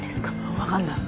わかんない。